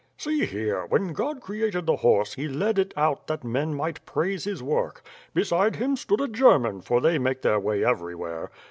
"See here, when God created the horse he led it out that men might praise his work. Beside him stood a German, for they make their way everywhere.